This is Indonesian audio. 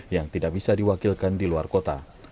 yang tidak bisa diwakilkan di luar kota